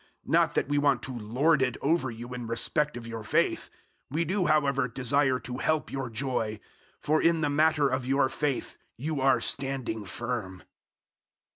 001:024 Not that we want to lord it over you in respect of your faith we do, however, desire to help your joy for in the matter of your faith you are standing firm.